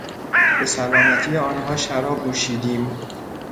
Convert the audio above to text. به سلامتی آنها شراب نوشیدیم.